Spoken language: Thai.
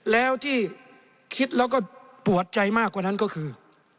แล้วที่คิดแล้วก็ปวดใจมากกว่านั้นก็คือ